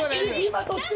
今どっち？